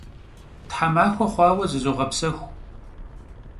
Themaxue xhuaue zızoğepsexu.